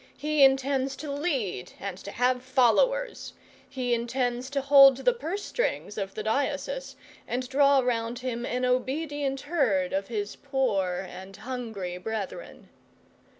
He intends to lead, and to have followers; he intends to hold the purse strings of the diocese, and draw round him an obedient herd of his poor and hungry brethren.